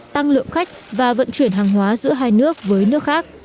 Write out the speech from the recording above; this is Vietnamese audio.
tăng lượng khách và vận chuyển hàng hóa giữa hai nước với nước khác